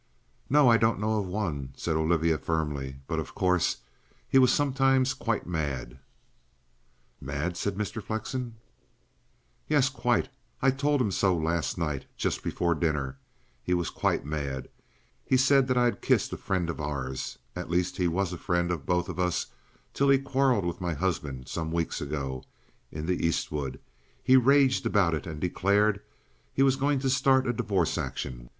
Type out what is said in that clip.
"No, I don't know of one," said Olivia firmly. "But, of course, he was sometimes quite mad." "Mad?" said Mr. Flexen. "Yes, quite. I told him so last night just before dinner. He was quite mad. He said that I had kissed a friend of ours at least he was a friend of both of us till he quarrelled with my husband some weeks ago in the East wood. He raged about it, and declared he was going to start a divorce action.